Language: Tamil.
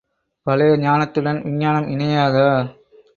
பழைய ஞானத்துடன் விஞ்ஞானம் இணையாதா?